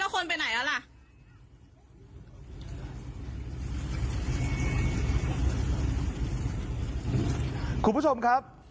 คุณผู้ชมครับ